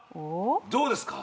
どうですか？